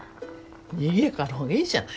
にぎやかな方がいいじゃない。